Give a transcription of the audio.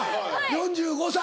４５歳。